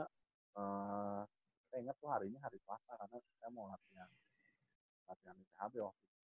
saya inget tuh hari ini hari puasa karena saya mau ngerjain